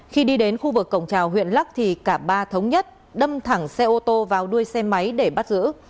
khi đi đến khu vực cổng trào huyện lắc thì cả ba thống nhất đâm thẳng xe ô tô vào đuôi xe máy để bắt giữ